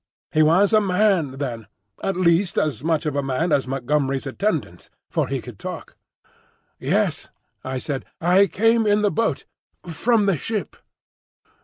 He was a man, then,—at least as much of a man as Montgomery's attendant,—for he could talk. "Yes," I said, "I came in the boat. From the ship."